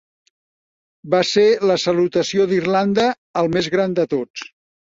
Va ser la salutació d'Irlanda al més gran de tots.